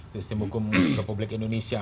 sistem hukum republik indonesia